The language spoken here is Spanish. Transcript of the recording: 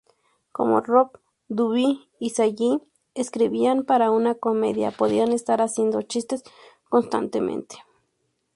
Como Rob, Buddy y Sally escribían para una comedia, podían estar haciendo chistes constantemente.